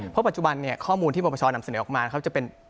เพราะปัจจุบันเนี่ยข้อมูลที่มประชาดำเสนอออกมานะครับ